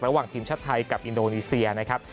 ระหว่างทีมชาติไทยกับอินโดนีเซียนะครับ